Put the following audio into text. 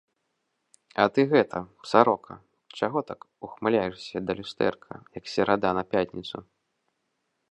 А ты гэта, сарока, чаго так ухмыляешся да люстэрка, як серада на пятніцу?